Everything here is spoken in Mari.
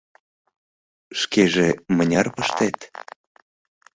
— Шкеже мыняр пыштет?